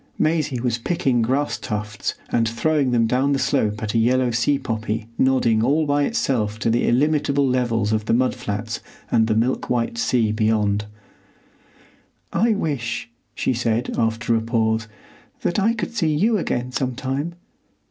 Maisie was picking grass tufts and throwing them down the slope at a yellow sea poppy nodding all by itself to the illimitable levels of the mud flats and the milk white sea beyond. "I wish," she said, after a pause, "that I could see you again sometime.